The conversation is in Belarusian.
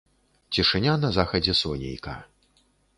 Цішыня на захадзе сонейка.